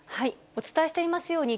お伝えしていますように、